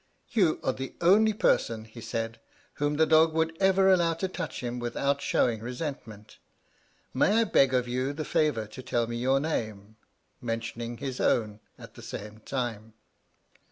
"You are the only person," he said, "whom that dog would ever allow to touch him without showing resentment. May I beg of you the favour to tell me your name?" mentioning his own at the same time.